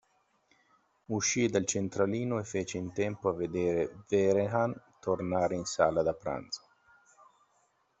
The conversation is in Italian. Uscì dal centralino e fece in tempo a vedere Vehrehan tornare in sala da pranzo.